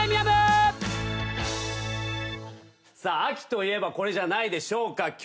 秋といえばこれじゃないでしょうか。